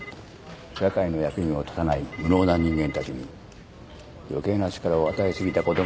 社会の役にも立たない無能な人間たちに余計な力を与え過ぎたことが問題なんだよ。